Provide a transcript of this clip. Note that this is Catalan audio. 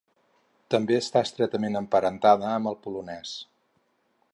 També està estretament emparentada amb el polonès.